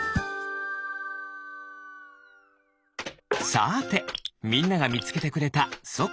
さてみんながみつけてくれたそっ